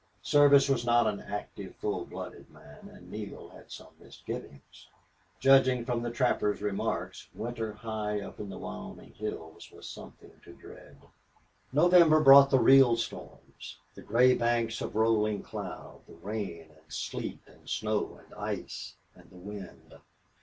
Service was not an active, full blooded man, and Neale had some misgivings. Judging from the trapper's remarks, winter high up in the Wyoming hills was something to dread. November brought the real storms the gray banks of rolling cloud, the rain and sleet and snow and ice, and the wind.